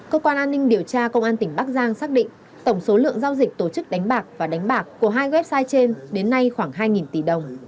cơ quan an ninh điều tra công an tỉnh bắc giang xác định tổng số lượng giao dịch tổ chức đánh bạc và đánh bạc của hai website trên đến nay khoảng hai tỷ đồng